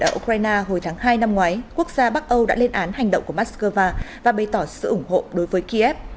ở ukraine hồi tháng hai năm ngoái quốc gia bắc âu đã lên án hành động của moscow và bày tỏ sự ủng hộ đối với kiev